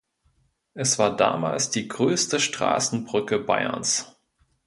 Es war damals die größte Straßenbrücke Bayerns.